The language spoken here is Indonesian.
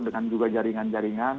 dengan juga jaringan jaringan